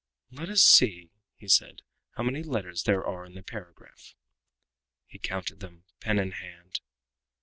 "Let us see," he said, "how many letters there are in the paragraph." He counted them, pen in hand.